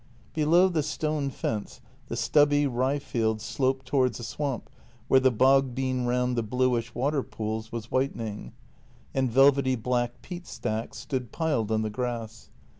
Below the stone fence the stubby rye field sloped towards a swamp where the bog bean round the bluish water pools was whitening, and velvety black peat stacks stood piled on the grass.